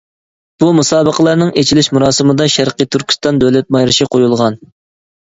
بۇ مۇسابىقىلەرنىڭ ئېچىلىش مۇراسىمىدا شەرقىي تۈركىستان دۆلەت مارشى قويۇلغان.